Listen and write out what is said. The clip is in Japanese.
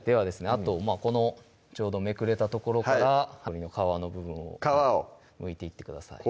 あとこのちょうどめくれた所から皮の部分を皮をむいていってください